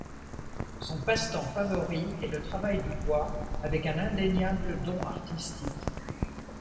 Son passe-temps favori est le travail du bois, avec un indéniable don artistique.